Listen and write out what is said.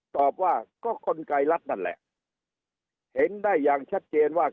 ตอบว่าก็กลไกรรัฐนั่นแหละเห็นได้อย่างชัดเจนว่า